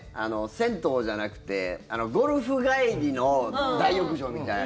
銭湯じゃなくてゴルフ帰りの大浴場みたいな。